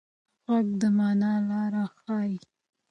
غږ د مانا لاره ښيي.